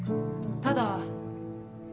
ただ。